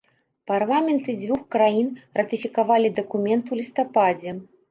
Парламенты дзвюх краін ратыфікавалі дакумент у лістападзе.